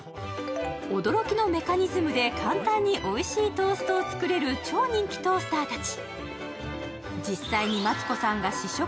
驚きのメカニズムで簡単においしいトーストを作れる超人気トースターたち。